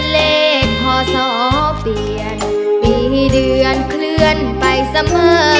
เลขพศเปลี่ยนปีเดือนเคลื่อนไปเสมอ